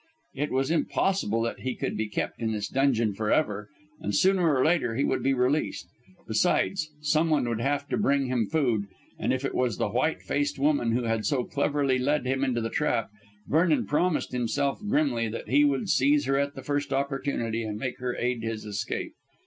It was impossible that he could be kept in his dungeon for ever, and sooner or later he would be released. Besides, someone would have to bring him food, and if it was the white faced woman who had so cleverly led him into the trap, Vernon promised himself grimly that he would seize her at the first opportunity and make her aid his escape.